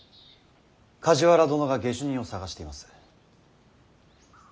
梶原殿が下手人を捜しています。